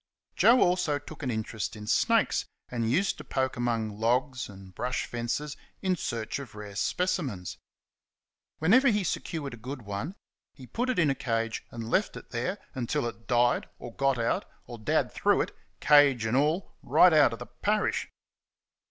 Joe also took an interest in snakes, and used to poke amongst logs and brush fences in search of rare specimens. Whenever he secured a good one he put it in a cage and left it there until it died or got out, or Dad threw it, cage and all, right out of the parish.